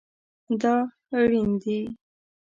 دا ریڼ دی